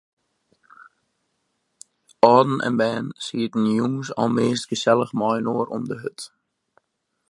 Alden en bern sieten jûns almeast gesellich mei-inoar om de hurd.